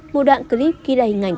một đoạn clip khi đài hình ảnh